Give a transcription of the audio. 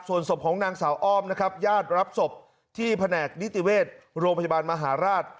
ส่วนศพของนางสาวอ้อมนะครับญาติรับศพที่แผนกนิติเวชโรงพยาบาลมหาราช